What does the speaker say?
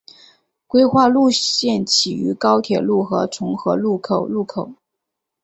规划路线起于高铁路和重和路口路口。